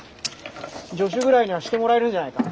助手ぐらいにはしてもらえるんじゃないか。